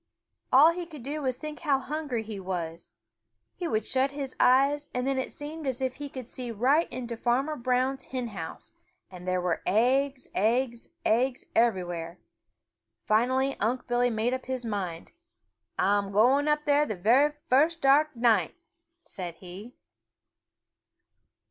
All he could do was to think how hungry he was. He would shut his eyes, and then it seemed as if he could see right into Farmer Brown's hen house, and there were eggs, eggs, eggs, everywhere. Finally Unc' Billy made up his mind. "Ah'm going up there the very first dark night!" said he.